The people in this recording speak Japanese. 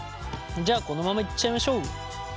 じゃあこのままいっちゃいましょう。